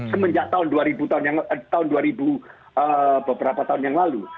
semenjak tahun dua ribu beberapa tahun yang lalu